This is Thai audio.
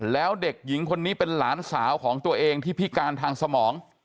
แล้วเด็กหญิงคนนี้เป็นหลานสาวของตัวเองที่พิการทางสมอง